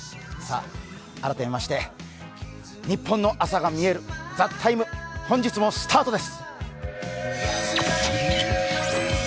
改めまして、「ニッポンの朝がみえる」「ＴＨＥＴＩＭＥ，」本日もスタートです。